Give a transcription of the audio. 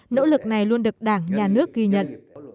nỗ lực này luôn được đảng nhà nước ghi nhận